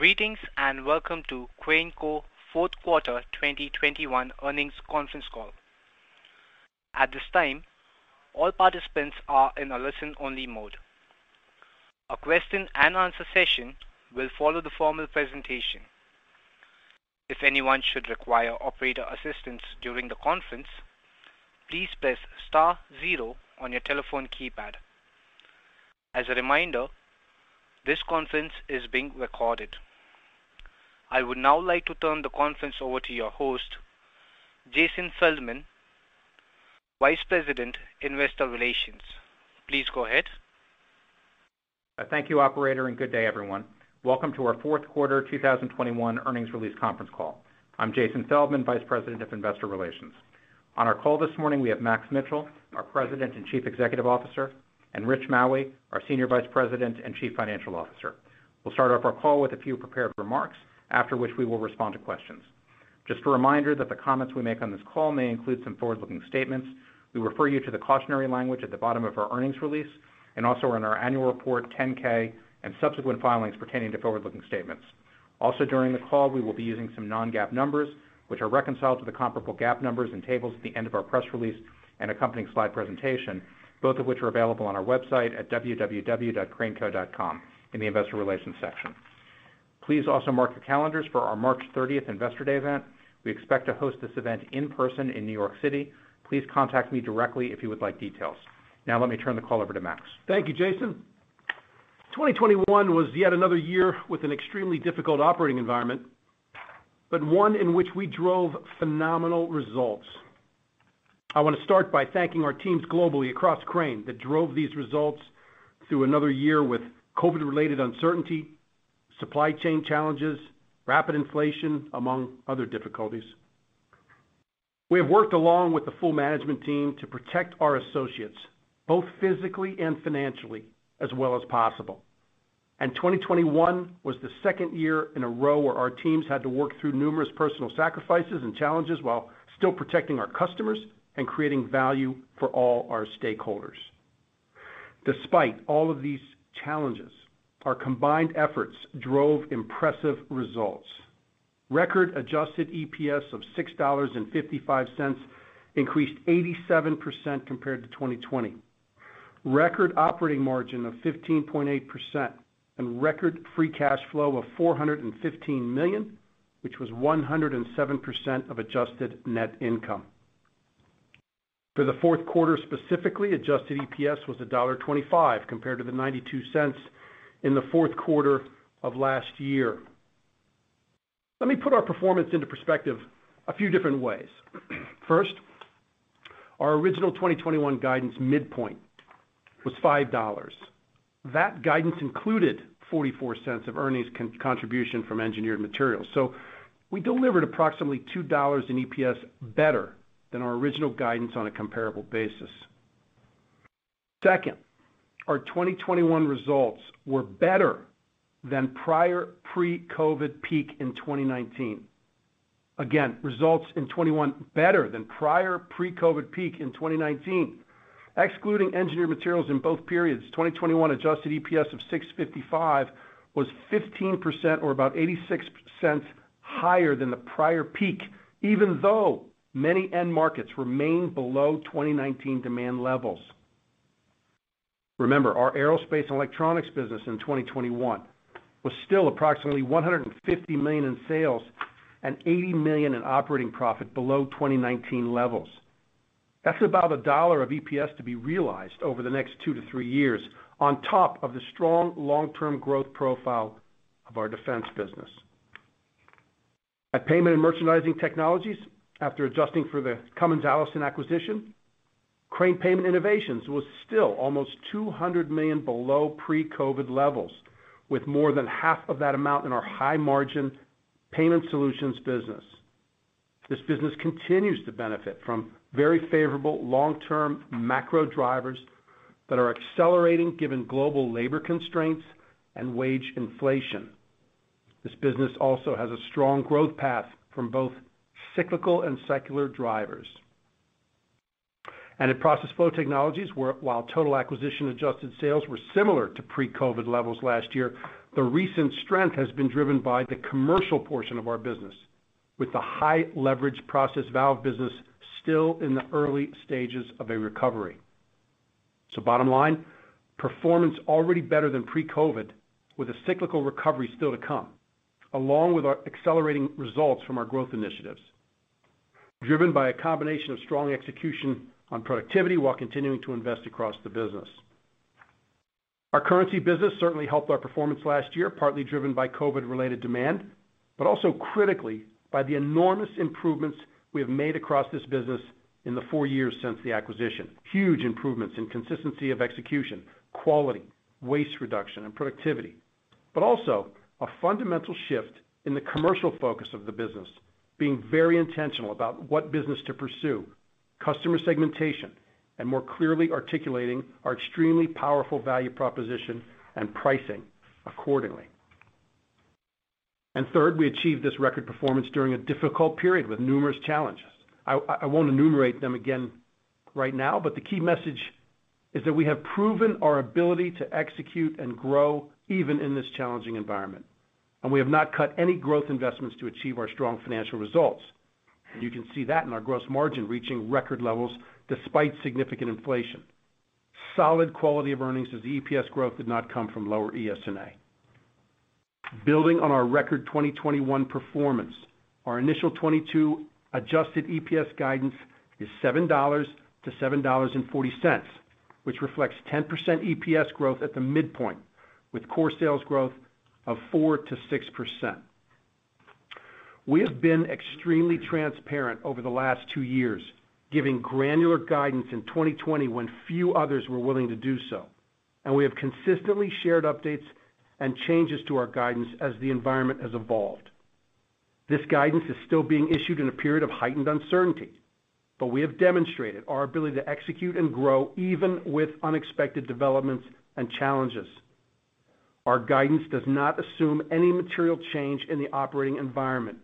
Greetings, and welcome to Crane Co. Fourth Quarter 2021 Earnings Conference Call. At this time, all participants are in a listen-only mode. A question and answer session will follow the formal presentation. If anyone should require operator assistance during the conference, please press star zero on your telephone keypad. As a reminder, this conference is being recorded. I would now like to turn the conference over to your host, Jason Feldman, Vice President, Investor Relations. Please go ahead. Thank you, operator, and good day everyone. Welcome to our fourth quarter 2021 earnings release conference call. I'm Jason Feldman, Vice President of Investor Relations. On our call this morning we have Max Mitchell, our President and Chief Executive Officer, and Rich Maue, our Senior Vice President and Chief Financial Officer. We'll start off our call with a few prepared remarks, after which we will respond to questions. Just a reminder that the comments we make on this call may include some forward-looking statements. We refer you to the cautionary language at the bottom of our earnings release and also in our annual report 10-K and subsequent filings pertaining to forward-looking statements. During the call, we will be using some non-GAAP numbers, which are reconciled to the comparable GAAP numbers and tables at the end of our press release and accompanying slide presentation, both of which are available on our website at www.craneco.com in the Investor Relations section. Please also mark your calendars for our March 30 Investor Day event. We expect to host this event in person in New York City. Please contact me directly if you would like details. Now let me turn the call over to Max. Thank you, Jason. 2021 was yet another year with an extremely difficult operating environment, but one in which we drove phenomenal results. I wanna start by thanking our teams globally across Crane that drove these results through another year with COVID-related uncertainty, supply chain challenges, rapid inflation, among other difficulties. We have worked along with the full management team to protect our associates, both physically and financially, as well as possible. 2021 was the second year in a row where our teams had to work through numerous personal sacrifices and challenges while still protecting our customers and creating value for all our stakeholders. Despite all of these challenges, our combined efforts drove impressive results. Record adjusted EPS of $6.55 increased 87% compared to 2020. Record operating margin of 15.8% and record free cash flow of $415 million, which was 107% of adjusted net income. For the fourth quarter, specifically, adjusted EPS was $1.25 compared to the $0.92 in the fourth quarter of last year. Let me put our performance into perspective a few different ways. First, our original 2021 guidance midpoint was $5. That guidance included $0.44 of earnings contribution from Engineered Materials. We delivered approximately $2 in EPS better than our original guidance on a comparable basis. Second, our 2021 results were better than prior pre-COVID peak in 2019. Again, results in 2021 better than prior pre-COVID peak in 2019. Excluding Engineered Materials in both periods, 2021 adjusted EPS of $6.55 was 15% or about 86% higher than the prior peak, even though many end markets remained below 2019 demand levels. Remember, our Aerospace & Electronics business in 2021 was still approximately $150 million in sales and $80 million in operating profit below 2019 levels. That's about $1 of EPS to be realized over the next 2-3 years on top of the strong long-term growth profile of our defense business. At Payment and Merchandising Technologies, after adjusting for the Cummins Allison acquisition, Crane Payment Innovations was still almost $200 million below pre-COVID levels, with more than half of that amount in our high-margin payment solutions business. This business continues to benefit from very favorable long-term macro drivers that are accelerating given global labor constraints and wage inflation. This business also has a strong growth path from both cyclical and secular drivers. At Process Flow Technologies, where while total acquisition adjusted sales were similar to pre-COVID levels last year, the recent strength has been driven by the commercial portion of our business with the high leverage process valve business still in the early stages of a recovery. Bottom line, performance already better than pre-COVID, with a cyclical recovery still to come, along with our accelerating results from our growth initiatives driven by a combination of strong execution on productivity while continuing to invest across the business. Our currency business certainly helped our performance last year, partly driven by COVID-related demand, but also critically by the enormous improvements we have made across this business in the four years since the acquisition. Huge improvements in consistency of execution, quality, waste reduction, and productivity. Also a fundamental shift in the commercial focus of the business, being very intentional about what business to pursue, customer segmentation, and more clearly articulating our extremely powerful value proposition and pricing accordingly. Third, we achieved this record performance during a difficult period with numerous challenges. I won't enumerate them again right now, but the key message is that we have proven our ability to execute and grow even in this challenging environment. We have not cut any growth investments to achieve our strong financial results. You can see that in our gross margin reaching record levels despite significant inflation. Solid quality of earnings as EPS growth did not come from lower SG&A. Building on our record 2021 performance, our initial 2022 adjusted EPS guidance is $7-$7.40, which reflects 10% EPS growth at the midpoint, with core sales growth of 4%-6%. We have been extremely transparent over the last 2 years, giving granular guidance in 2020 when few others were willing to do so, and we have consistently shared updates and changes to our guidance as the environment has evolved. This guidance is still being issued in a period of heightened uncertainty, but we have demonstrated our ability to execute and grow even with unexpected developments and challenges. Our guidance does not assume any material change in the operating environment,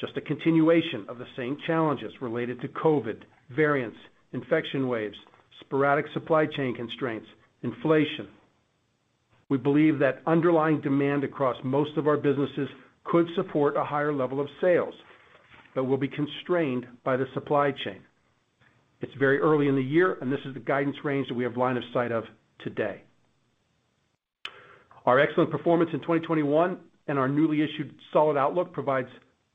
just a continuation of the same challenges related to COVID, variants, infection waves, sporadic supply chain constraints, inflation. We believe that underlying demand across most of our businesses could support a higher level of sales but will be constrained by the supply chain. It's very early in the year, and this is the guidance range that we have line of sight of today. Our excellent performance in 2021 and our newly issued solid outlook provides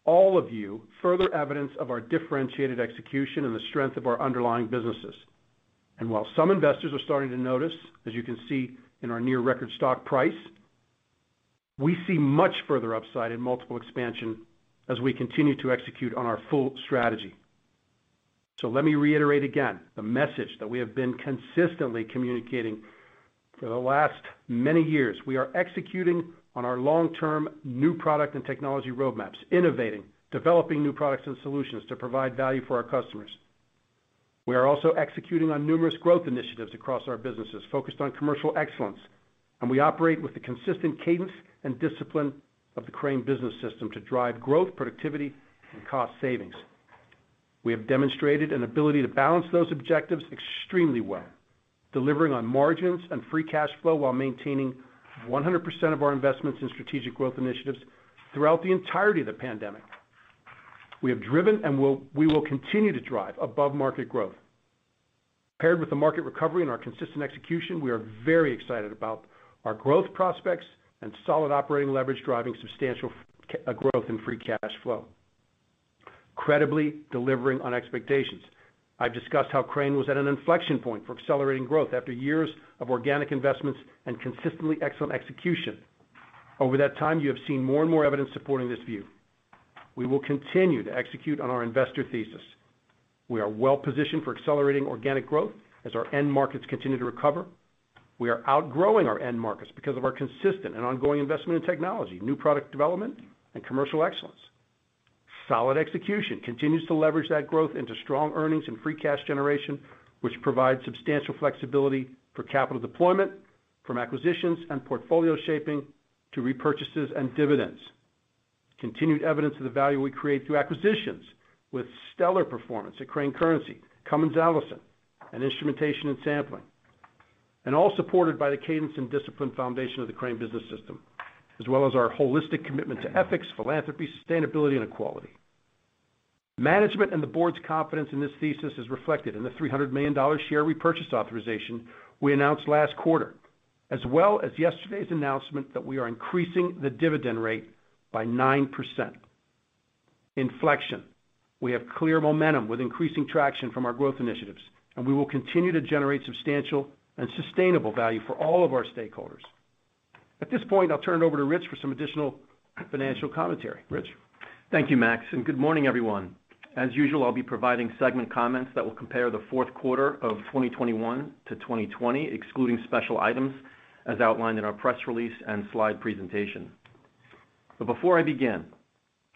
all of you further evidence of our differentiated execution and the strength of our underlying businesses. While some investors are starting to notice, as you can see in our near record stock price, we see much further upside in multiple expansion as we continue to execute on our full strategy. Let me reiterate again the message that we have been consistently communicating for the last many years. We are executing on our long-term new product and technology roadmaps, innovating, developing new products and solutions to provide value for our customers. We are also executing on numerous growth initiatives across our businesses, focused on commercial excellence, and we operate with the consistent cadence and discipline of the Crane Business System to drive growth, productivity, and cost savings. We have demonstrated an ability to balance those objectives extremely well, delivering on margins and free cash flow while maintaining 100% of our investments in strategic growth initiatives throughout the entirety of the pandemic. We have driven, and we will continue to drive above-market growth. Paired with the market recovery and our consistent execution, we are very excited about our growth prospects and solid operating leverage driving substantial growth and free cash flow. Credibly delivering on expectations. I've discussed how Crane was at an inflection point for accelerating growth after years of organic investments and consistently excellent execution. Over that time, you have seen more and more evidence supporting this view. We will continue to execute on our investor thesis. We are well-positioned for accelerating organic growth as our end markets continue to recover. We are outgrowing our end markets because of our consistent and ongoing investment in technology, new product development, and commercial excellence. Solid execution continues to leverage that growth into strong earnings and free cash generation, which provides substantial flexibility for capital deployment from acquisitions and portfolio shaping to repurchases and dividends. Continued evidence of the value we create through acquisitions with stellar performance at Crane Currency, Cummins Allison, and Instrumentation & Sampling, and all supported by the cadence and discipline foundation of the Crane Business System, as well as our holistic commitment to ethics, philanthropy, sustainability, and equality. Management and the board's confidence in this thesis is reflected in the $300 million share repurchase authorization we announced last quarter, as well as yesterday's announcement that we are increasing the dividend rate by 9%. Inflection. We have clear momentum with increasing traction from our growth initiatives, and we will continue to generate substantial and sustainable value for all of our stakeholders. At this point, I'll turn it over to Rich for some additional financial commentary. Rich? Thank you, Max, and good morning, everyone. As usual, I'll be providing segment comments that will compare the fourth quarter of 2021 to 2020, excluding special items as outlined in our press release and slide presentation. Before I begin,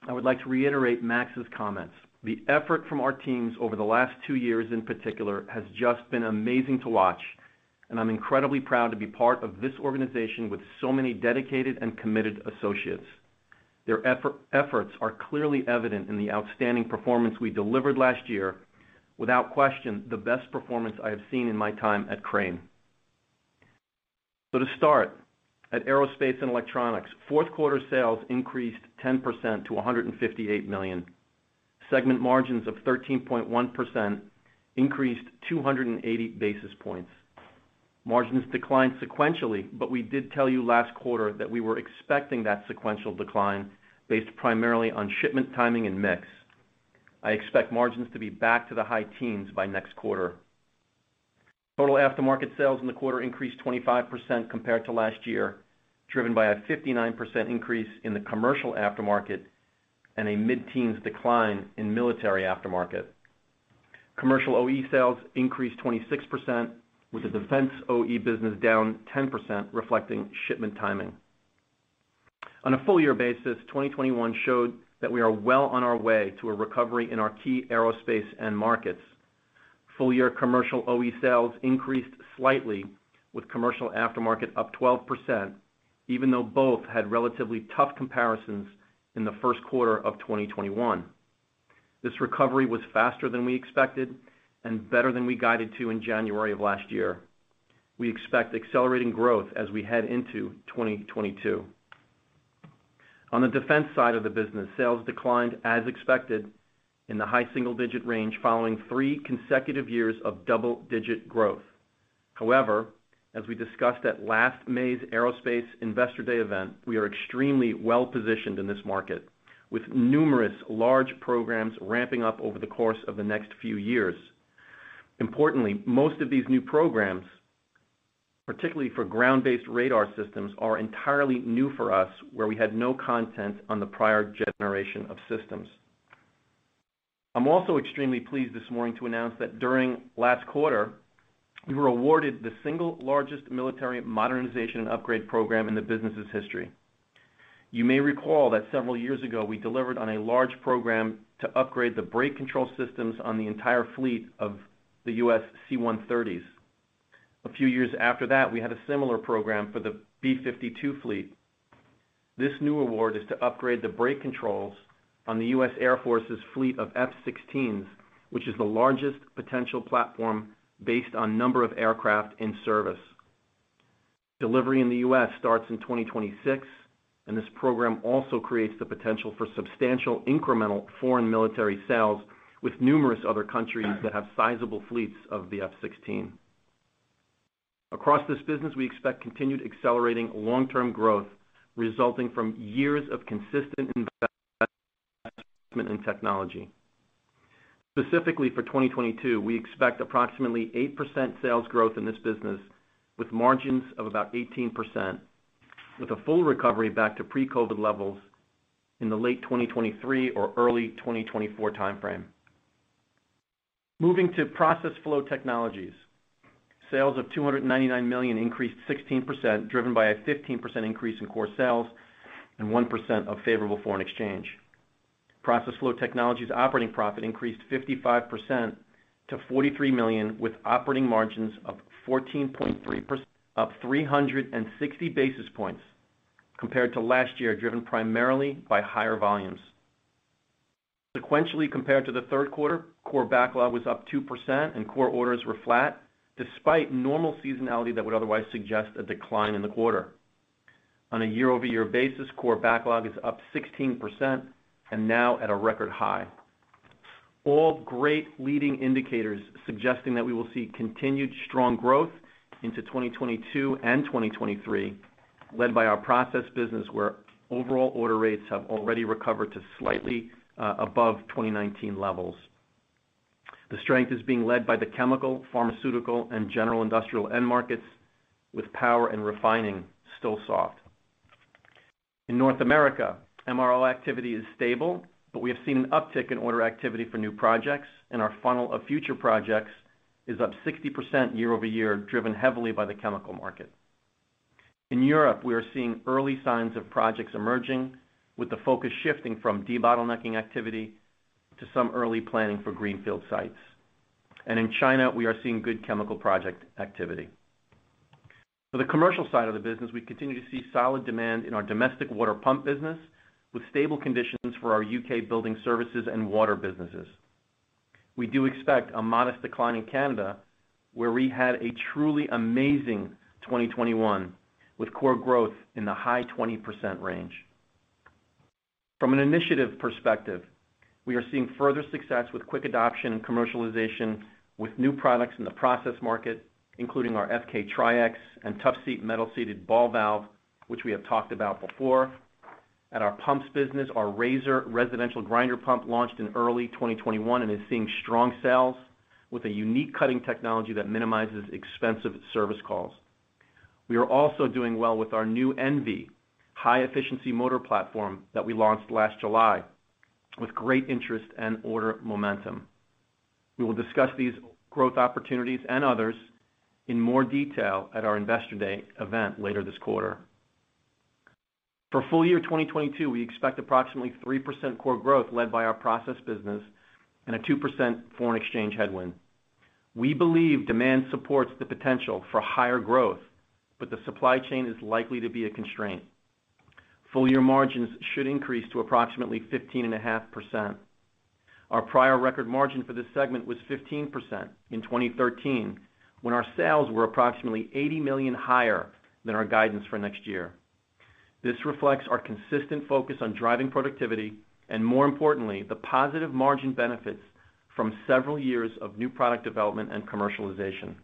I would like to reiterate Max's comments. The effort from our teams over the last two years in particular has just been amazing to watch, and I'm incredibly proud to be part of this organization with so many dedicated and committed associates. Their efforts are clearly evident in the outstanding performance we delivered last year, without question, the best performance I have seen in my time at Crane. To start, at Aerospace & Electronics, fourth quarter sales increased 10% to $158 million. Segment margins of 13.1% increased 280 basis points. Margins declined sequentially, but we did tell you last quarter that we were expecting that sequential decline based primarily on shipment timing and mix. I expect margins to be back to the high teens by next quarter. Total aftermarket sales in the quarter increased 25% compared to last year, driven by a 59% increase in the commercial aftermarket and a mid-teens decline in military aftermarket. Commercial OE sales increased 26% with the defense OE business down 10%, reflecting shipment timing. On a full year basis, 2021 showed that we are well on our way to a recovery in our key aerospace end markets. Full year commercial OE sales increased slightly with commercial aftermarket up 12%, even though both had relatively tough comparisons in the first quarter of 2021. This recovery was faster than we expected and better than we guided to in January of last year. We expect accelerating growth as we head into 2022. On the defense side of the business, sales declined as expected in the high single-digit range following 3 consecutive years of double-digit growth. However, as we discussed at last May's Aerospace Investor Day event, we are extremely well-positioned in this market with numerous large programs ramping up over the course of the next few years. Importantly, most of these new programs, particularly for ground-based radar systems, are entirely new for us, where we had no content on the prior generation of systems. I'm also extremely pleased this morning to announce that during last quarter, we were awarded the single largest military modernization and upgrade program in the business's history. You may recall that several years ago, we delivered on a large program to upgrade the brake control systems on the entire fleet of the U.S. C-130s. A few years after that, we had a similar program for the B-52 fleet. This new award is to upgrade the brake controls on the U.S. Air Force's fleet of F-16s, which is the largest potential platform based on number of aircraft in service. Delivery in the U.S. starts in 2026, and this program also creates the potential for substantial incremental foreign military sales with numerous other countries that have sizable fleets of the F-16. Across this business, we expect continued accelerating long-term growth resulting from years of consistent investment in technology. Specifically for 2022, we expect approximately 8% sales growth in this business with margins of about 18%, with a full recovery back to pre-COVID levels in the late 2023 or early 2024 time frame. Moving to Process Flow Technologies. Sales of $299 million increased 16%, driven by a 15% increase in core sales and 1% of favorable foreign exchange. Process Flow Technologies operating profit increased 55% to $43 million, with operating margins of 14.3%, up 360 basis points compared to last year, driven primarily by higher volumes. Sequentially compared to the third quarter, core backlog was up 2% and core orders were flat, despite normal seasonality that would otherwise suggest a decline in the quarter. On a year-over-year basis, core backlog is up 16% and now at a record high. All great leading indicators suggesting that we will see continued strong growth into 2022 and 2023, led by our process business, where overall order rates have already recovered to slightly above 2019 levels. The strength is being led by the chemical, pharmaceutical, and general industrial end markets, with power and refining still soft. In North America, MRO activity is stable, but we have seen an uptick in order activity for new projects, and our funnel of future projects is up 60% year-over-year, driven heavily by the chemical market. In Europe, we are seeing early signs of projects emerging, with the focus shifting from debottlenecking activity to some early planning for greenfield sites. In China, we are seeing good chemical project activity. For the commercial side of the business, we continue to see solid demand in our domestic water pump business, with stable conditions for our U.K. building services and water businesses. We do expect a modest decline in Canada, where we had a truly amazing 2021, with core growth in the high 20% range. From an initiative perspective, we are seeing further success with quick adoption and commercialization with new products in the process market, including our FK-TrieX and TUFSEAT metal seated ball valve, which we have talked about before. At our pumps business, our RAZOR residential grinder pump launched in early 2021 and is seeing strong sales with a unique cutting technology that minimizes expensive service calls. We are also doing well with our new envie3 high-efficiency motor platform that we launched last July with great interest and order momentum. We will discuss these growth opportunities and others in more detail at our Investor Day event later this quarter. For full year 2022, we expect approximately 3% core growth led by our process business and a 2% foreign exchange headwind. We believe demand supports the potential for higher growth, but the supply chain is likely to be a constraint. Full year margins should increase to approximately 15.5%. Our prior record margin for this segment was 15% in 2013 when our sales were approximately $80 million higher than our guidance for next year. This reflects our consistent focus on driving productivity and, more importantly, the positive margin benefits from several years of new product development and commercialization.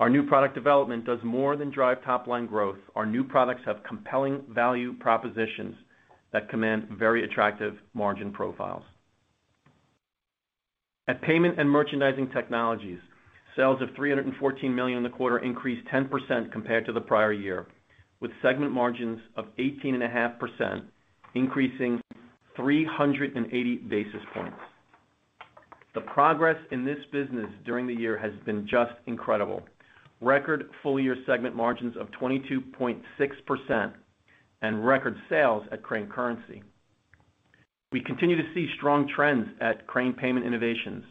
Our new product development does more than drive top-line growth. Our new products have compelling value propositions that command very attractive margin profiles. At Payment and Merchandising Technologies, sales of $314 million in the quarter increased 10% compared to the prior year, with segment margins of 18.5%, increasing 380 basis points. The progress in this business during the year has been just incredible. Record full-year segment margins of 22.6% and record sales at Crane Currency. We continue to see strong trends at Crane Payment Innovations,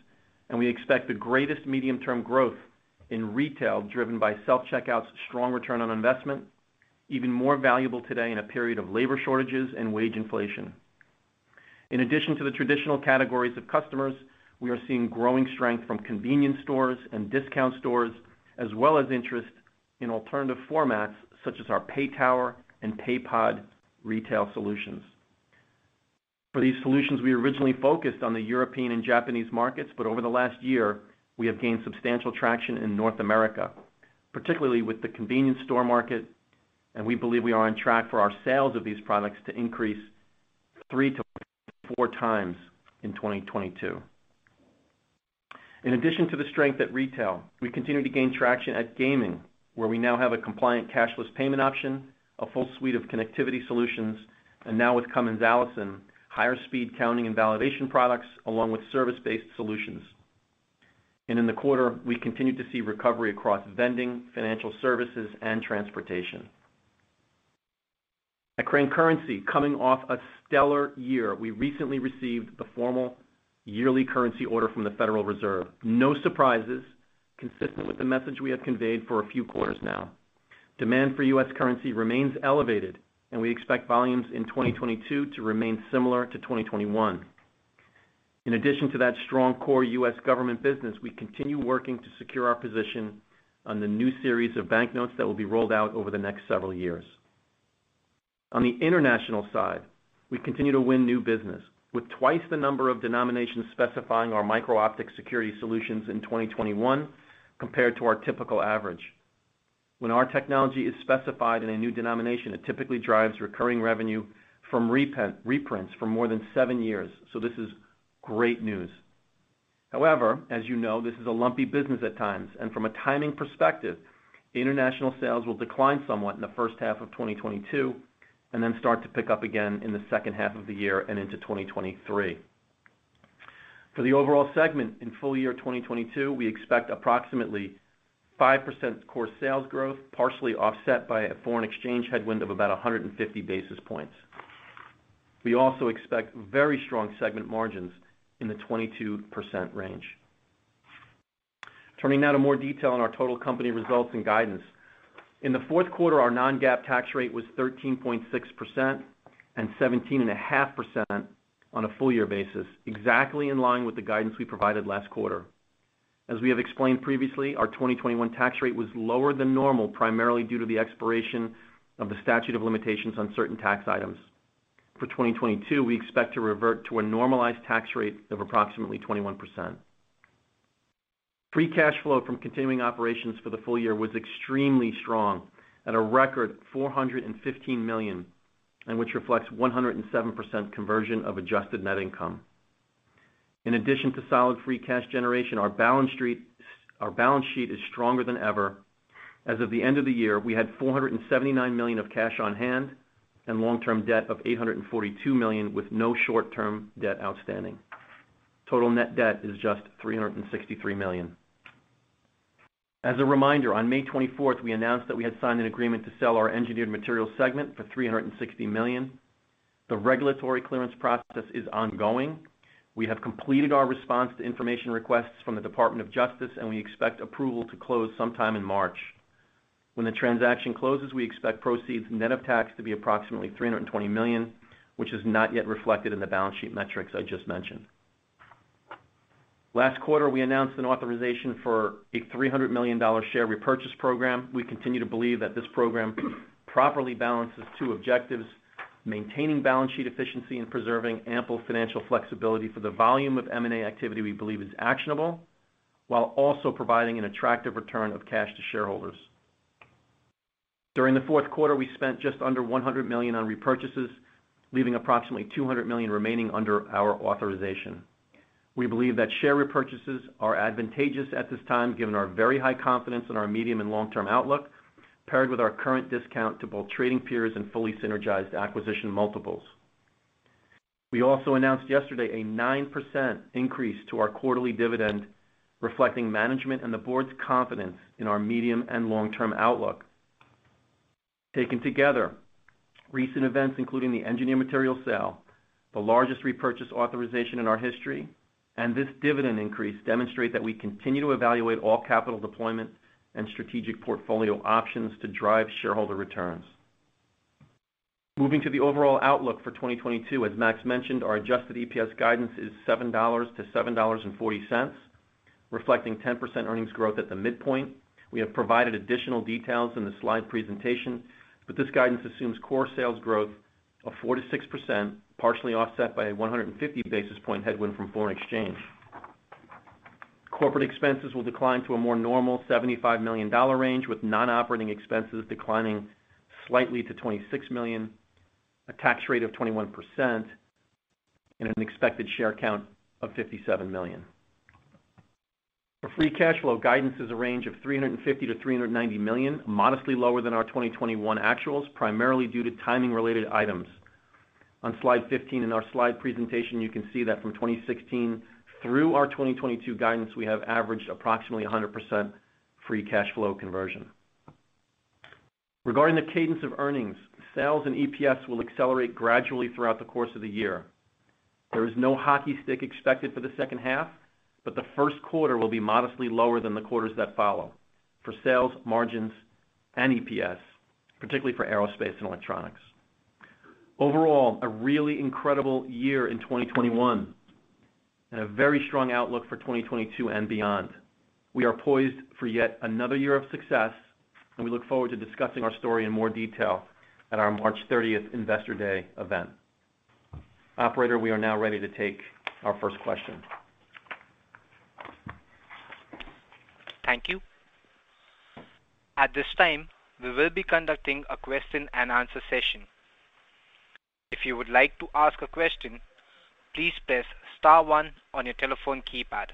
and we expect the greatest medium-term growth in retail, driven by self-checkout's strong return on investment, even more valuable today in a period of labor shortages and wage inflation. In addition to the traditional categories of customers, we are seeing growing strength from convenience stores and discount stores, as well as interest in alternative formats such as our PayTower and Paypod retail solutions. For these solutions, we originally focused on the European and Japanese markets, but over the last year, we have gained substantial traction in North America, particularly with the convenience store market, and we believe we are on track for our sales of these products to increase 3x-4x in 2022. In addition to the strength at retail, we continue to gain traction at gaming, where we now have a compliant cashless payment option, a full suite of connectivity solutions, and now with Cummins Allison, higher speed counting and validation products, along with service-based solutions. In the quarter, we continued to see recovery across vending, financial services, and transportation. At Crane Currency, coming off a stellar year, we recently received the formal yearly currency order from the Federal Reserve. No surprises, consistent with the message we have conveyed for a few quarters now. Demand for U.S. currency remains elevated, and we expect volumes in 2022 to remain similar to 2021. In addition to that strong core U.S. government business, we continue working to secure our position on the new series of banknotes that will be rolled out over the next several years. On the international side, we continue to win new business, with twice the number of denominations specifying our micro-optic security solutions in 2021 compared to our typical average. When our technology is specified in a new denomination, it typically drives recurring revenue from reprints for more than seven years. This is great news. However, as you know, this is a lumpy business at times, and from a timing perspective, international sales will decline somewhat in the first half of 2022, and then start to pick up again in the second half of the year and into 2023. For the overall segment in full year 2022, we expect approximately 5% core sales growth, partially offset by a foreign exchange headwind of about 150 basis points. We also expect very strong segment margins in the 22% range. Turning now to more detail on our total company results and guidance. In the fourth quarter, our non-GAAP tax rate was 13.6% and 17.5% on a full year basis, exactly in line with the guidance we provided last quarter. As we have explained previously, our 2021 tax rate was lower than normal, primarily due to the expiration of the statute of limitations on certain tax items. For 2022, we expect to revert to a normalized tax rate of approximately 21%. Free cash flow from continuing operations for the full year was extremely strong at a record $415 million, and which reflects 107% conversion of adjusted net income. In addition to solid free cash generation, our balance sheet is stronger than ever. As of the end of the year, we had $479 million of cash on hand and long-term debt of $842 million with no short-term debt outstanding. Total net debt is just $363 million. As a reminder, on May 24th, we announced that we had signed an agreement to sell our Engineered Materials segment for $360 million. The regulatory clearance process is ongoing. We have completed our response to information requests from the Department of Justice, and we expect approval to close sometime in March. When the transaction closes, we expect proceeds net of tax to be approximately $320 million, which is not yet reflected in the balance sheet metrics I just mentioned. Last quarter, we announced an authorization for a $300 million share repurchase program. We continue to believe that this program properly balances two objectives, maintaining balance sheet efficiency and preserving ample financial flexibility for the volume of M&A activity we believe is actionable, while also providing an attractive return of cash to shareholders. During the fourth quarter, we spent just under $100 million on repurchases, leaving approximately $200 million remaining under our authorization. We believe that share repurchases are advantageous at this time, given our very high confidence in our medium- and long-term outlook, paired with our current discount to both trading peers and fully synergized acquisition multiples. We also announced yesterday a 9% increase to our quarterly dividend, reflecting management and the board's confidence in our medium- and long-term outlook. Taken together, recent events, including the Engineered Materials sale, the largest repurchase authorization in our history, and this dividend increase demonstrate that we continue to evaluate all capital deployment and strategic portfolio options to drive shareholder returns. Moving to the overall outlook for 2022, as Max mentioned, our adjusted EPS guidance is $7-$7.40, reflecting 10% earnings growth at the midpoint. We have provided additional details in the slide presentation, but this guidance assumes core sales growth of 4%-6%, partially offset by a 150 basis point headwind from foreign exchange. Corporate expenses will decline to a more normal $75 million range, with non-operating expenses declining slightly to $26 million, a tax rate of 21%, and an expected share count of 57 million. Our free cash flow guidance is a range of $350 million-$390 million, modestly lower than our 2021 actuals, primarily due to timing-related items. On slide 15 in our slide presentation, you can see that from 2016 through our 2022 guidance, we have averaged approximately 100% free cash flow conversion. Regarding the cadence of earnings, sales and EPS will accelerate gradually throughout the course of the year. There is no hockey stick expected for the second half, but the first quarter will be modestly lower than the quarters that follow for sales, margins, and EPS, particularly for Aerospace & Electronics. Overall, a really incredible year in 2021, and a very strong outlook for 2022 and beyond. We are poised for yet another year of success, and we look forward to discussing our story in more detail at our March 30 investor day event. Operator, we are now ready to take our first question. Thank you. At this time, we will be conducting a question and answer session. If you would like to ask a question, please press star one on your telephone keypad.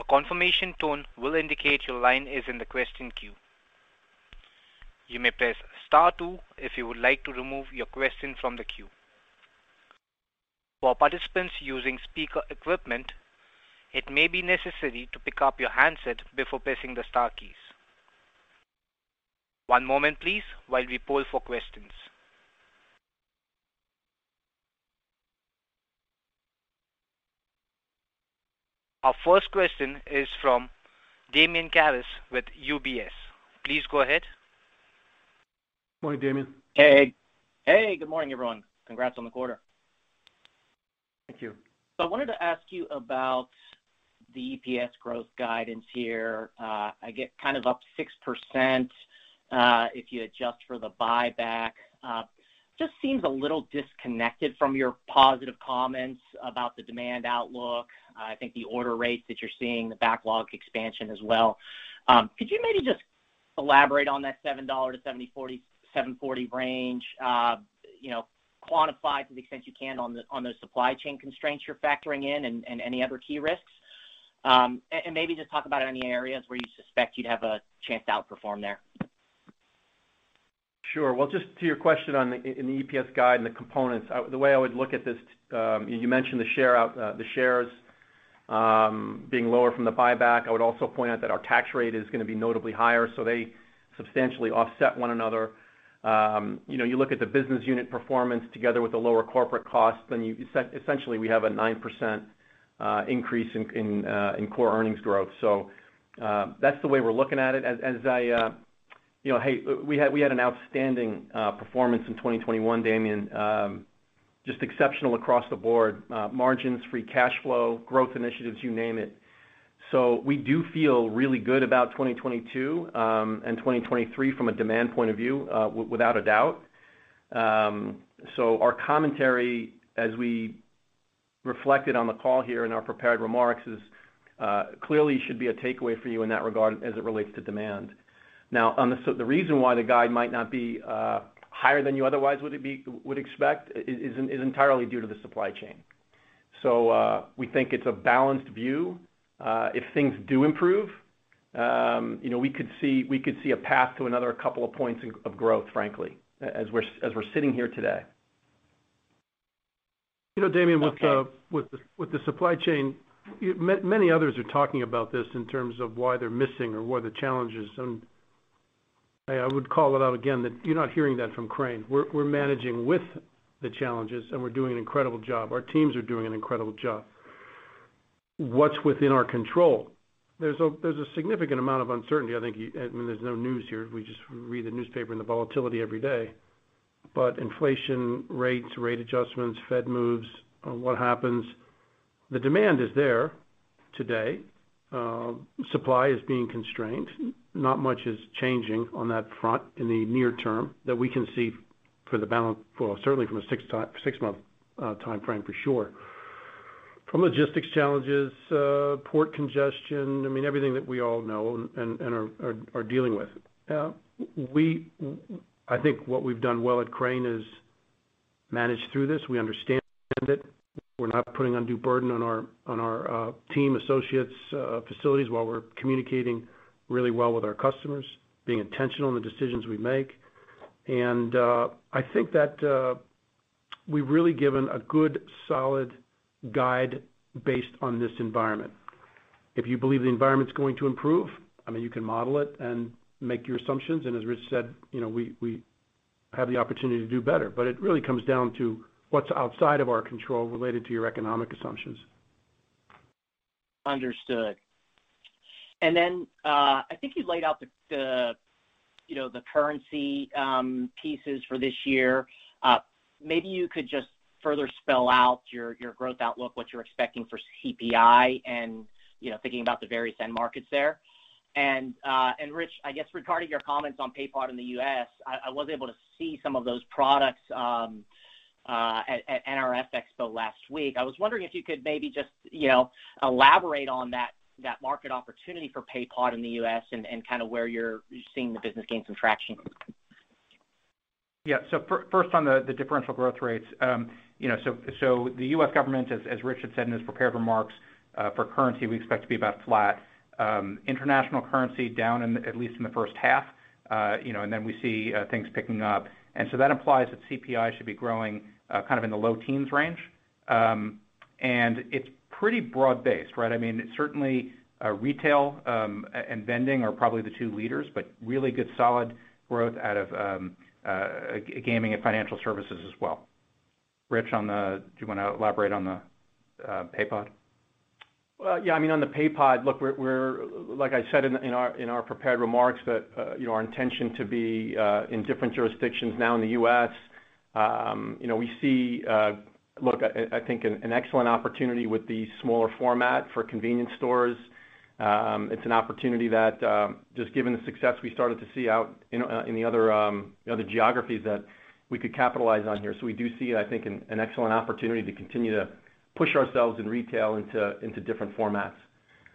A confirmation tone will indicate your line is in the question queue. You may press star two if you would like to remove your question from the queue. For participants using speaker equipment, it may be necessary to pick up your handset before pressing the star keys. One moment please while we poll for questions. Our first question is from Damian Karas with UBS. Please go ahead. Morning, Damian. Hey. Hey, good morning, everyone. Congrats on the quarter. Thank you. I wanted to ask you about the EPS growth guidance here. I get kind of up 6%, if you adjust for the buyback. Just seems a little disconnected from your positive comments about the demand outlook, I think the order rates that you're seeing, the backlog expansion as well. Could you maybe just elaborate on that $7-$7.40 range, you know, quantify to the extent you can on those supply chain constraints you're factoring in and any other key risks? Maybe just talk about any areas where you suspect you'd have a chance to outperform there. Sure. Well, just to your question in the EPS guide and the components, the way I would look at this, you mentioned the share count, the shares, being lower from the buyback. I would also point out that our tax rate is gonna be notably higher, so they substantially offset one another. You know, you look at the business unit performance together with the lower corporate costs, then essentially, we have a 9% increase in core earnings growth. So, that's the way we're looking at it. You know, hey, we had an outstanding performance in 2021, Damian, just exceptional across the board, margins, free cash flow, growth initiatives, you name it. We do feel really good about 2022 and 2023 from a demand point of view, without a doubt. Our commentary as we reflected on the call here in our prepared remarks is clearly should be a takeaway for you in that regard as it relates to demand. Now, on the reason why the guide might not be higher than you otherwise would expect is entirely due to the supply chain. We think it's a balanced view. If things do improve, you know, we could see a path to another couple of points of growth, frankly, as we're sitting here today. You know, Damian, with the supply chain, many others are talking about this in terms of why they're missing or what are the challenges. I would call it out again that you're not hearing that from Crane. We're managing with the challenges, and we're doing an incredible job. Our teams are doing an incredible job. What's within our control? There's a significant amount of uncertainty. I think. I mean, there's no news here. We just read the newspaper and the volatility every day. Inflation rates, rate adjustments, Fed moves, what happens? The demand is there today. Supply is being constrained. Not much is changing on that front in the near term that we can see for the balance. Well, certainly from a six-month timeframe for sure. From logistics challenges, port congestion, I mean, everything that we all know and are dealing with. I think what we've done well at Crane is manage through this. We understand it. We're not putting undue burden on our team, associates, facilities, while we're communicating really well with our customers, being intentional in the decisions we make. I think that we've really given a good, solid guide based on this environment. If you believe the environment's going to improve, I mean, you can model it and make your assumptions. As Rich said, you know, we have the opportunity to do better. It really comes down to what's outside of our control related to your economic assumptions. Understood. I think you laid out you know the currency pieces for this year. Maybe you could just further spell out your growth outlook, what you're expecting for CPI and thinking about the various end markets there. Rich, I guess regarding your comments on Paypod in the U.S., I was able to see some of those products at NRF Expo last week. I was wondering if you could maybe just elaborate on that market opportunity for Paypod in the U.S. and kind of where you're seeing the business gain some traction. Yeah. First on the differential growth rates. You know, the U.S. government, as Rich said in his prepared remarks, for currency, we expect to be about flat. International currency down at least in the first half, you know, and then we see things picking up. That implies that CPI should be growing kind of in the low teens range. It's pretty broad-based, right? I mean, certainly retail and vending are probably the two leaders, but really good solid growth out of gaming and financial services as well. Rich, on the PayPod, do you wanna elaborate? Well, yeah, I mean, on the Paypod, look, we're like I said in our prepared remarks that you know our intention to be in different jurisdictions now in the U.S., you know, we see look I think an excellent opportunity with the smaller format for convenience stores. It's an opportunity that just given the success we started to see out in the other geographies that we could capitalize on here. We do see I think an excellent opportunity to continue to push ourselves in retail into different formats.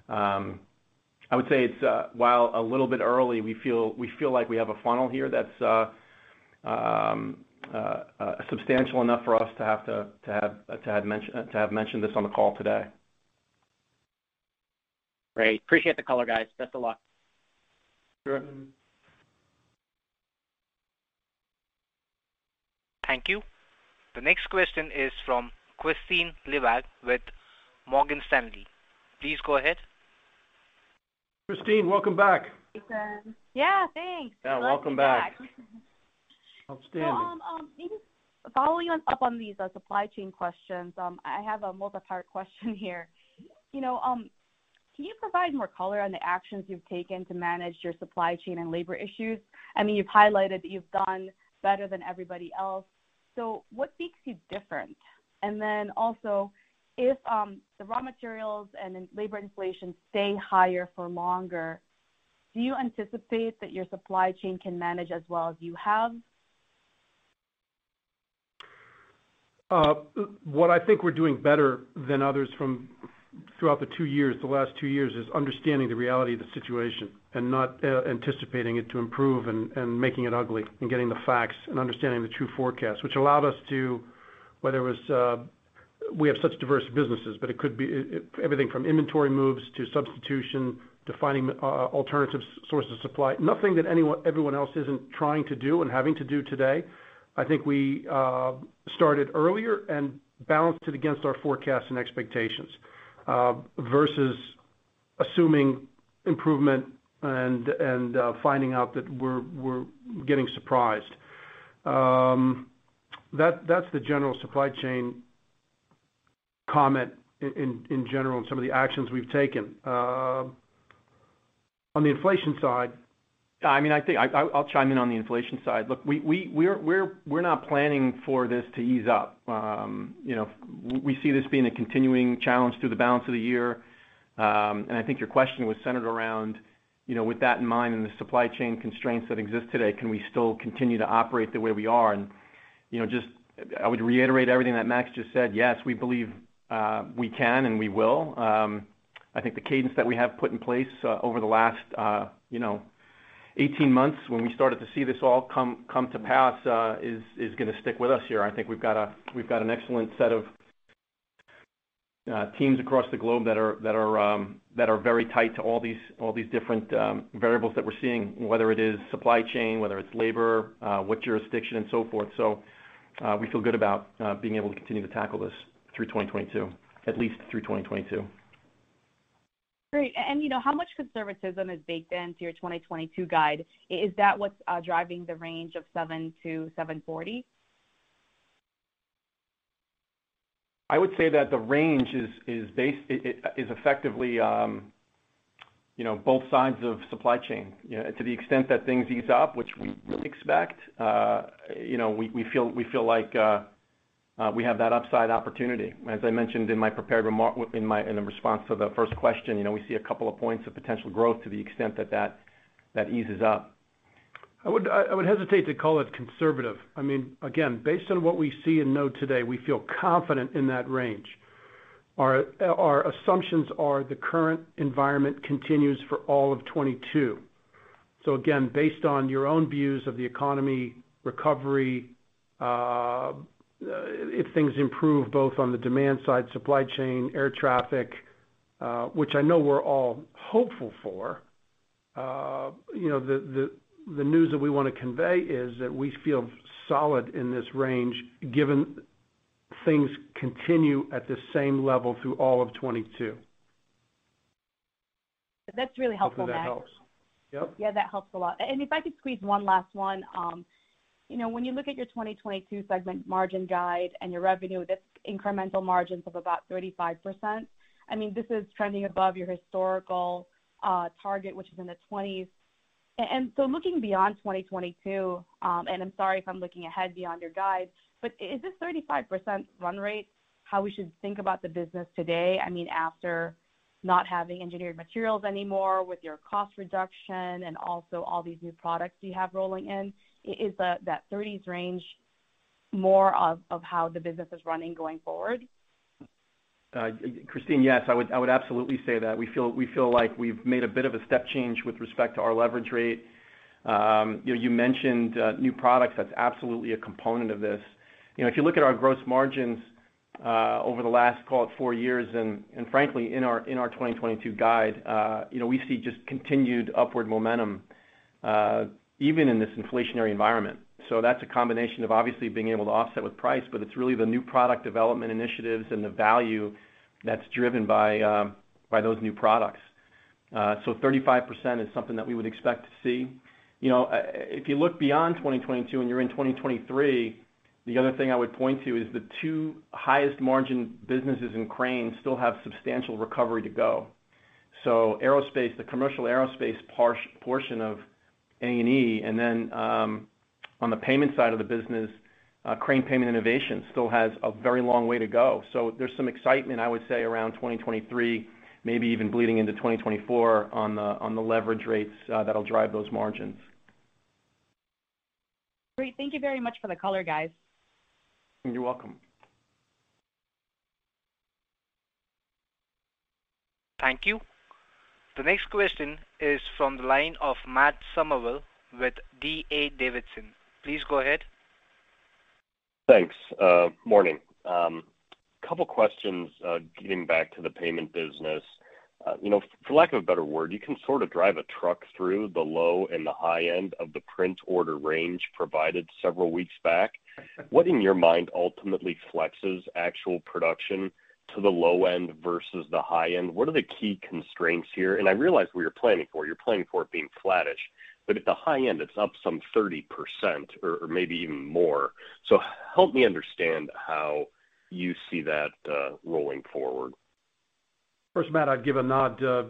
I would say it's while a little bit early, we feel like we have a funnel here that's substantial enough for us to have mentioned this on the call today. Great. Appreciate the color, guys. Thanks a lot. Sure. Thank you. The next question is from Kristine Liwag with Morgan Stanley. Please go ahead. Kristine, welcome back. Yeah, thanks. Yeah, welcome back. Glad to be back. Outstanding. Maybe following up on these supply chain questions, I have a multi-part question here. You know, can you provide more color on the actions you've taken to manage your supply chain and labor issues? I mean, you've highlighted that you've done better than everybody else. What makes you different? Also, if the raw materials and labor inflation stay higher for longer, do you anticipate that your supply chain can manage as well as you have? What I think we're doing better than others throughout the last two years is understanding the reality of the situation and not anticipating it to improve and making it ugly and getting the facts and understanding the true forecast, which allowed us to. We have such diverse businesses, but it could be everything from inventory moves to substitution to finding alternative sources of supply. Nothing that everyone else isn't trying to do and having to do today. I think we started earlier and balanced it against our forecast and expectations versus assuming improvement and finding out that we're getting surprised. That's the general supply chain comment in general and some of the actions we've taken. On the inflation side. I mean, I think I'll chime in on the inflation side. Look, we're not planning for this to ease up. You know, we see this being a continuing challenge through the balance of the year. I think your question was centered around, you know, with that in mind and the supply chain constraints that exist today, can we still continue to operate the way we are? You know, just, I would reiterate everything that Max just said. Yes, we believe we can, and we will. I think the cadence that we have put in place over the last 18 months when we started to see this all come to pass is gonna stick with us here. I think we've got an excellent set of teams across the globe that are very tight to all these different variables that we're seeing, whether it is supply chain, whether it's labor, what jurisdiction, and so forth. We feel good about being able to continue to tackle this through 2022, at least. Great. You know, how much conservatism is baked into your 2022 guide? Is that what's driving the range of $7-$7.40? I would say that the range is effectively both sides of supply chain. You know, to the extent that things ease up, which we really expect, you know, we feel like we have that upside opportunity. As I mentioned in the response to the first question, you know, we see a couple of points of potential growth to the extent that that eases up. I would hesitate to call it conservative. I mean, again, based on what we see and know today, we feel confident in that range. Our assumptions are the current environment continues for all of 2022. Again, based on your own views of the economic recovery, if things improve both on the demand side, supply chain, air traffic, which I know we're all hopeful for, you know, the news that we wanna convey is that we feel solid in this range given things continue at the same level through all of 2022. That's really helpful, Max. Hope that helps. Yep. Yeah, that helps a lot. If I could squeeze one last one. You know, when you look at your 2022 segment margin guide and your revenue, that's incremental margins of about 35%. I mean, this is trending above your historical target, which is in the 20s. Looking beyond 2022, and I'm sorry if I'm looking ahead beyond your guide, but is this 35% run rate how we should think about the business today? I mean, after not having Engineered Materials anymore with your cost reduction and also all these new products you have rolling in, is that 30s range more of how the business is running going forward? Christine, yes. I would absolutely say that. We feel like we've made a bit of a step change with respect to our leverage rate. You know, you mentioned new products. That's absolutely a component of this. You know, if you look at our gross margins over the last, call it four years, and frankly, in our 2022 guide, you know, we see just continued upward momentum. Even in this inflationary environment. That's a combination of obviously being able to offset with price, but it's really the new product development initiatives and the value that's driven by those new products. 35% is something that we would expect to see. You know, if you look beyond 2022 and you're in 2023, the other thing I would point to is the two highest margin businesses in Crane still have substantial recovery to go. Aerospace, the commercial aerospace portion of A&E, and then, on the payment side of the business, Crane Payment Innovations still has a very long way to go. There's some excitement, I would say, around 2023, maybe even bleeding into 2024 on the, on the leverage rates, that'll drive those margins. Great. Thank you very much for the color, guys. You're welcome. Thank you. The next question is from the line of Matt Summerville with D.A. Davidson. Please go ahead. Thanks. Good morning. Couple questions, getting back to the payment business. You know, for lack of a better word, you can sort of drive a truck through the low and the high end of the print order range provided several weeks back. What, in your mind, ultimately flexes actual production to the low end versus the high end? What are the key constraints here? I realize what you're planning for. You're planning for it being flattish. At the high end, it's up some 30% or maybe even more. Help me understand how you see that rolling forward. First, Matt, I'd give a nod to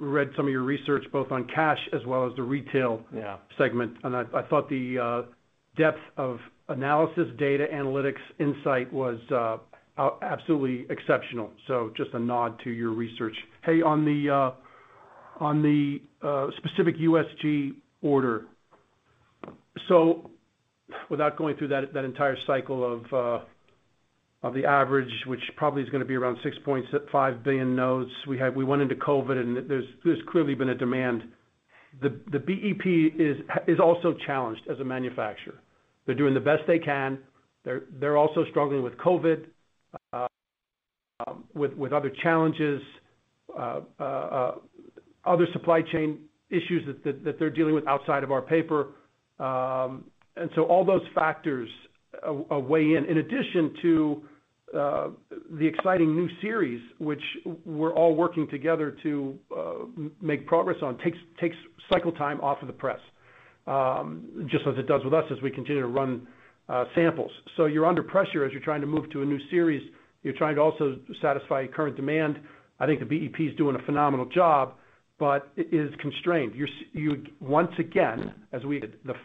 read some of your research both on cash as well as the retail- Yeah segment. I thought the depth of analysis, data analytics insight was absolutely exceptional. Just a nod to your research. Hey, on the specific USG order. Without going through that entire cycle of the average, which probably is gonna be around 6.5 billion notes, we went into COVID, and there's clearly been a demand. The BEP is also challenged as a manufacturer. They're doing the best they can. They're also struggling with COVID, with other challenges, other supply chain issues that they're dealing with outside of our paper. All those factors weigh in. In addition to the exciting new series, which we're all working together to make progress on, takes cycle time off of the press, just as it does with us as we continue to run samples. You're under pressure as you're trying to move to a new series. You're trying to also satisfy current demand. I think the BEP is doing a phenomenal job, but it is constrained. The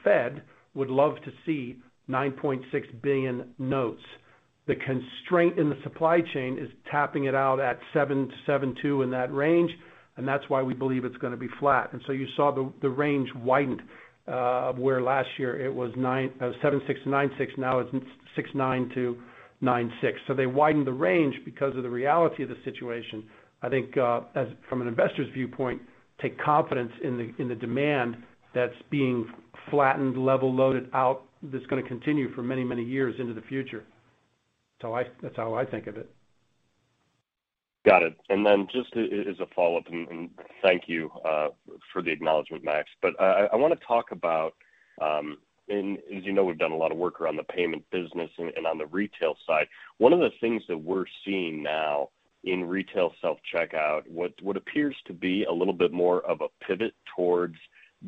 Fed would love to see 9.6 billion notes. The constraint in the supply chain is tapping it out at 7-7.2 in that range, and that's why we believe it's gonna be flat. You saw the range widened, where last year it was 7.6-9.6, now it's 6.9-9.6. They widened the range because of the reality of the situation. I think, as from an investor's viewpoint, take confidence in the demand that's being flattened, level loaded out, that's gonna continue for many, many years into the future. That's how I think of it. Got it. Then just as a follow-up, thank you for the acknowledgment, Max. I wanna talk about, as you know, we've done a lot of work around the payment business and on the retail side. One of the things that we're seeing now in retail self-checkout, what appears to be a little bit more of a pivot towards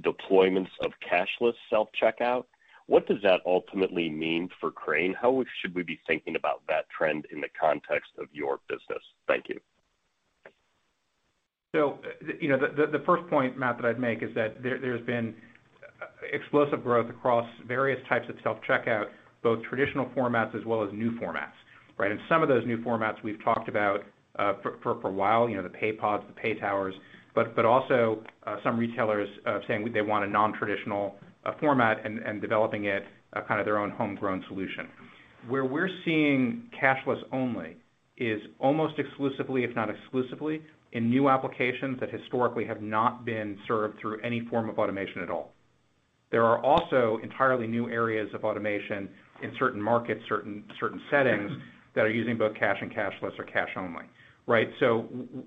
deployments of cashless self-checkout. What does that ultimately mean for Crane? How should we be thinking about that trend in the context of your business? Thank you. You know, the first point, Matt, that I'd make is that there's been explosive growth across various types of self-checkout, both traditional formats as well as new formats, right? Some of those new formats we've talked about for a while, you know, the Paypods, the PayTowers, but also some retailers saying they want a non-traditional format and developing it kind of their own homegrown solution. Where we're seeing cashless only is almost exclusively, if not exclusively, in new applications that historically have not been served through any form of automation at all. There are also entirely new areas of automation in certain markets, certain settings that are using both cash and cashless or cash only, right?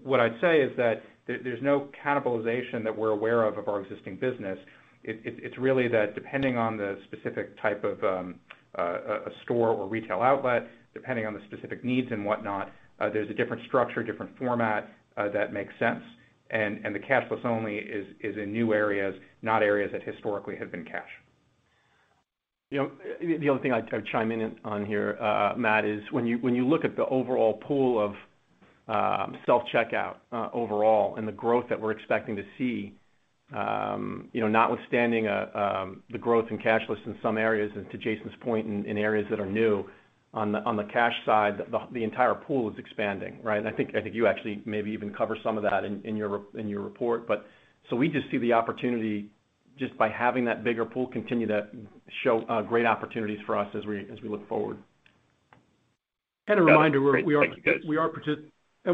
What I'd say is that there's no cannibalization that we're aware of our existing business. It's really that depending on the specific type of a store or retail outlet, depending on the specific needs and whatnot, there's a different structure, different format that makes sense. The cashless only is in new areas, not areas that historically have been cash. You know, the other thing I'd chime in on here, Matt, is when you look at the overall pool of self-checkout overall and the growth that we're expecting to see, you know, notwithstanding the growth in cashless in some areas, and to Jason's point, in areas that are new, on the cash side, the entire pool is expanding, right? I think you actually maybe even cover some of that in your report. We just see the opportunity just by having that bigger pool continue to show great opportunities for us as we look forward. Got it. Great. Thank you. A reminder,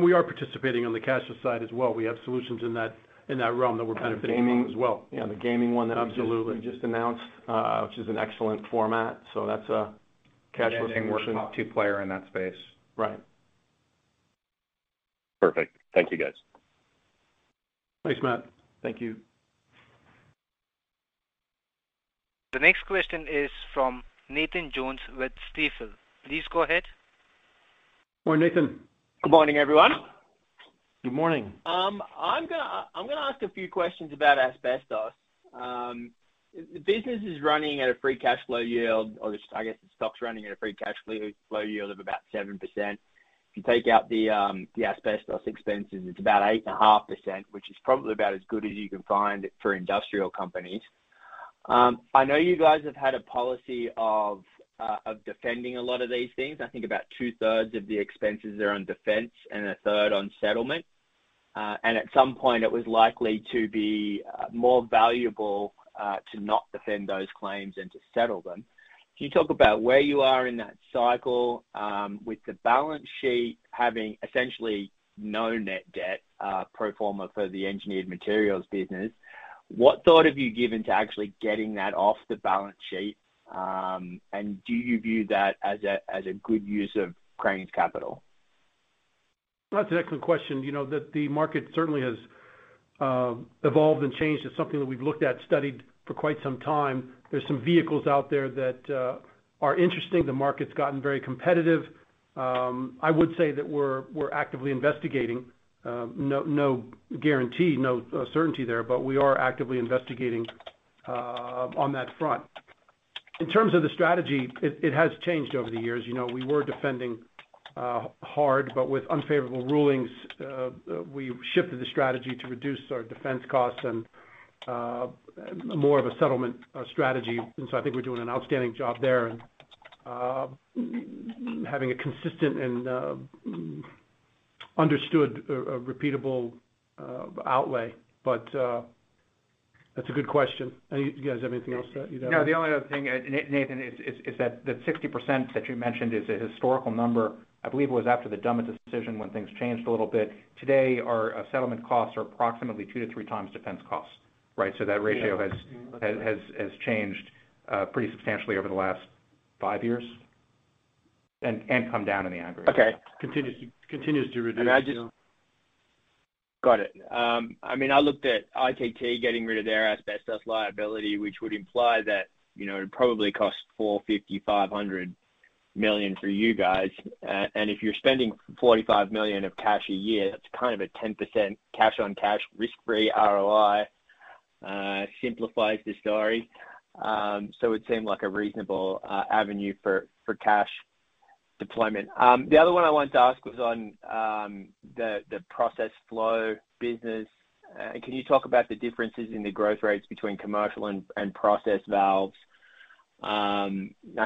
we are participating on the cashless side as well. We have solutions in that realm that we're benefiting from. Gaming as well. Yeah, the gaming one that we just- Absolutely We just announced, which is an excellent format. That's a cashless solution. I think we're a top two player in that space. Right. Perfect. Thank you, guys. Thanks, Matt. Thank you. The next question is from Nathan Jones with Stifel. Please go ahead. Good morning, Nathan. Good morning, everyone. Good morning. I'm gonna ask a few questions about asbestos. The business is running at a free cash flow yield or just I guess the stock's running at a free cash flow yield of about 7%. If you take out the asbestos expenses, it's about 8.5%, which is probably about as good as you can find for industrial companies. I know you guys have had a policy of defending a lot of these things. I think about two-thirds of the expenses are on defense and a third on settlement. At some point it was likely to be more valuable to not defend those claims and to settle them. Can you talk about where you are in that cycle, with the balance sheet having essentially no net debt, pro forma for the Engineered Materials business, what thought have you given to actually getting that off the balance sheet? Do you view that as a good use of Crane's capital? That's an excellent question. You know that the market certainly has evolved and changed. It's something that we've looked at, studied for quite some time. There's some vehicles out there that are interesting. The market's gotten very competitive. I would say that we're actively investigating. No guarantee, no certainty there, but we are actively investigating on that front. In terms of the strategy, it has changed over the years. You know, we were defending hard, but with unfavorable rulings, we shifted the strategy to reduce our defense costs and more of a settlement strategy. I think we're doing an outstanding job there and having a consistent and understood repeatable outlay. That's a good question. Any of you guys have anything else that you'd add? No, the only other thing, Nathan, is that the 60% that you mentioned is a historical number. I believe it was after the Dumm's decision when things changed a little bit. Today, our settlement costs are approximately 2x-3x defense costs, right? That ratio has changed pretty substantially over the last 5 years and come down in the aggregate. Okay. Continues to reduce. I just got it. I mean, I looked at ITT getting rid of their asbestos liability, which would imply that, you know, it'd probably cost $450 million-$500 million for you guys. And if you're spending $45 million of cash a year, that's kind of a 10% cash-on-cash risk-free ROI, simplifies the story. It seemed like a reasonable avenue for cash deployment. The other one I wanted to ask was on the process flow business. Can you talk about the differences in the growth rates between commercial and process valves? I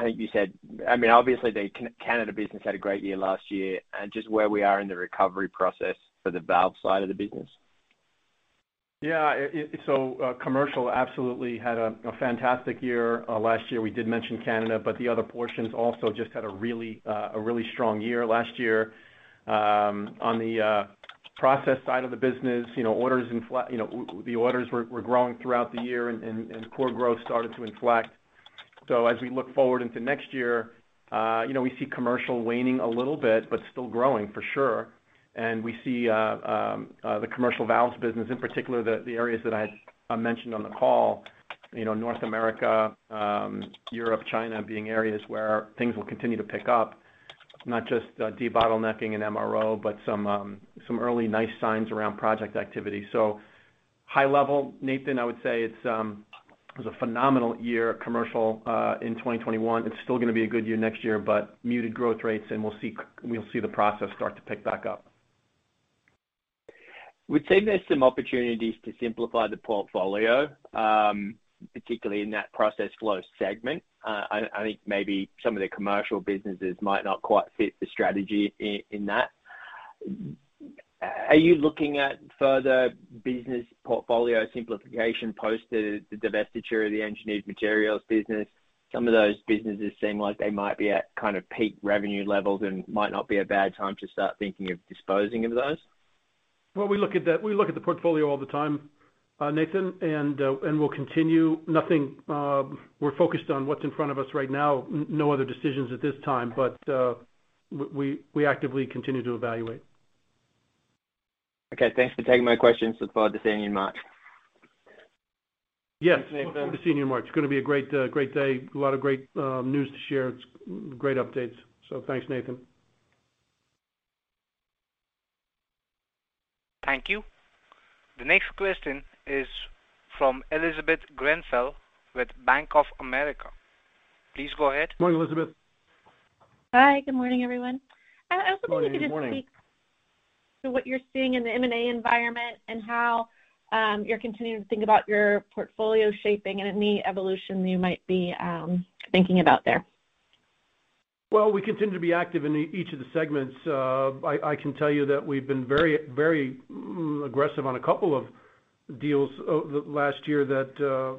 think you said I mean, obviously, the Canada business had a great year last year, and just where we are in the recovery process for the valve side of the business. Commercial absolutely had a fantastic year last year. We did mention Canada, but the other portions also just had a really strong year last year. On the process side of the business, you know, the orders were growing throughout the year and core growth started to inflect. As we look forward into next year, you know, we see commercial waning a little bit, but still growing for sure. We see the commercial valves business in particular, the areas that I mentioned on the call, you know, North America, Europe, China being areas where things will continue to pick up, not just debottlenecking and MRO, but some early nice signs around project activity. High level, Nathan, I would say it's it was a phenomenal year commercial in 2021. It's still gonna be a good year next year, but muted growth rates and we'll see the process start to pick back up. Would say there's some opportunities to simplify the portfolio, particularly in that Process Flow segment. I think maybe some of the commercial businesses might not quite fit the strategy in that. Are you looking at further business portfolio simplification post the divestiture of the Engineered Materials business? Some of those businesses seem like they might be at kind of peak revenue levels and might not be a bad time to start thinking of disposing of those. Well, we look at that, we look at the portfolio all the time, Nathan, and we'll continue. Nothing. We're focused on what's in front of us right now. No other decisions at this time, but we actively continue to evaluate. Okay, thanks for taking my questions. Look forward to seeing you in March. Yes. Thanks, Nathan. Look forward to seeing you in March. It's gonna be a great day. A lot of great news to share. It's great updates. Thanks, Nathan. Thank you. The next question is from Elizabeth Grenfell with Bank of America. Please go ahead. Morning, Elizabeth. Hi, good morning, everyone. Good morning. Good morning. I was hoping you could just speak to what you're seeing in the M&A environment and how you're continuing to think about your portfolio shaping and any evolution you might be thinking about there. Well, we continue to be active in each of the segments. I can tell you that we've been very aggressive on a couple of deals last year that,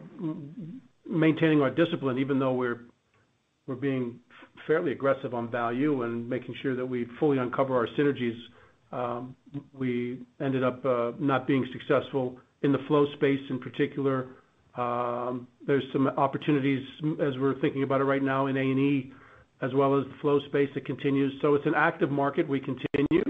maintaining our discipline, even though we're being fairly aggressive on value and making sure that we fully uncover our synergies. We ended up not being successful in the flow space in particular. There's some opportunities as we're thinking about it right now in A&E. As well as the flow space that continues. It's an active market. We continue.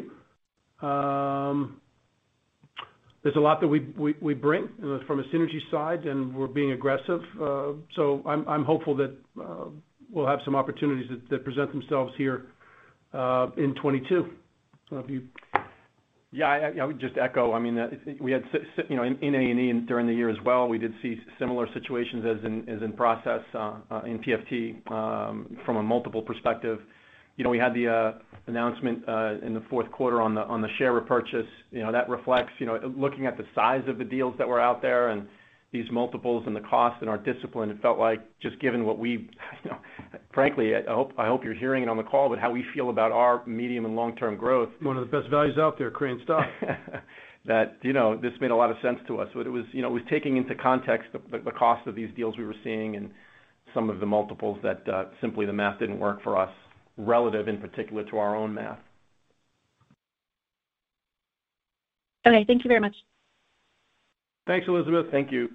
There's a lot that we bring from a synergy side, and we're being aggressive. I'm hopeful that we'll have some opportunities that present themselves here in 2022. If you- Yeah, I would just echo. I mean, you know, in A&E and during the year as well, we did see similar situations as in process in PFT from a multiple perspective. You know, we had the announcement in the fourth quarter on the share repurchase. You know, that reflects, you know, looking at the size of the deals that were out there and these multiples and the cost and our discipline, it felt like just given what we've, you know. Frankly, I hope you're hearing it on the call, but how we feel about our medium and long-term growth. One of the best values out there, Crane stock. That, you know, this made a lot of sense to us. It was, you know, it was taking into context the cost of these deals we were seeing and some of the multiples that simply the math didn't work for us relative, in particular, to our own math. Okay, thank you very much. Thanks, Elizabeth. Thank you.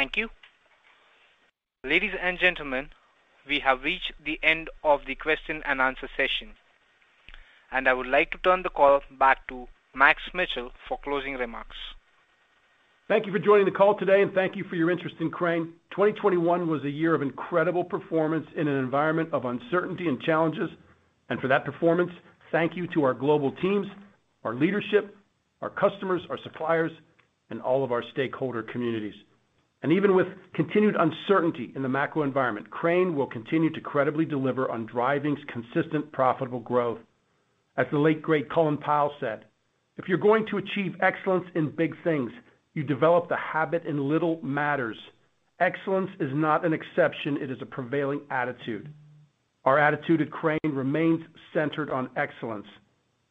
Thank you. Ladies and gentlemen, we have reached the end of the question-and-answer session, and I would like to turn the call back to Max Mitchell for closing remarks. Thank you for joining the call today, and thank you for your interest in Crane. 2021 was a year of incredible performance in an environment of uncertainty and challenges. For that performance, thank you to our global teams, our leadership, our customers, our suppliers, and all of our stakeholder communities. Even with continued uncertainty in the macro environment, Crane will continue to credibly deliver on driving consistent, profitable growth. As the late great Colin Powell said, "If you're going to achieve excellence in big things, you develop the habit in little matters. Excellence is not an exception, it is a prevailing attitude." Our attitude at Crane remains centered on excellence,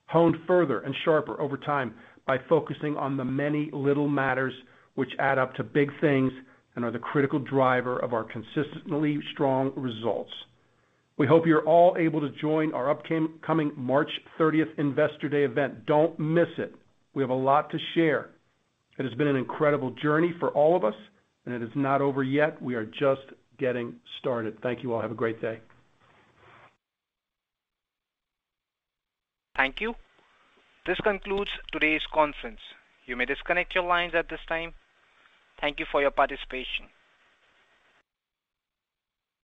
honed further and sharper over time by focusing on the many little matters which add up to big things and are the critical driver of our consistently strong results. We hope you're all able to join our upcoming March 30th Investor Day event. Don't miss it. We have a lot to share. It has been an incredible journey for all of us, and it is not over yet. We are just getting started. Thank you all. Have a great day. Thank you. This concludes today's conference. You may disconnect your lines at this time. Thank you for your participation.